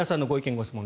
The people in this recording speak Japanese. ・ご質問